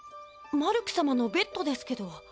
マルク様のベッドですけど。